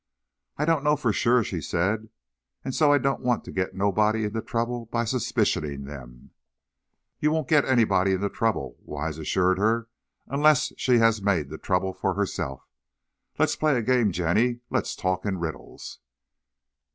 "I don't know for sure," she said, "and so I don't want to get nobody into trouble by suspicioning them." "You won't get anybody into trouble," Wise assured her, "unless she has made the trouble for herself. Let's play a game, Jenny, let's talk in riddles."